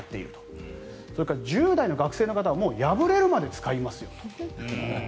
それから１０代の学生の方は破れるまで使いますよと。